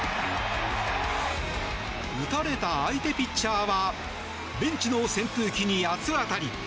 打たれた相手ピッチャーはベンチの扇風機に八つ当たり。